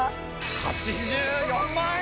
８４万円！